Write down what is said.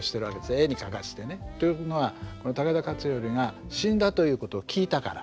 絵に描かせてね。というのは武田勝頼が死んだということを聞いたから。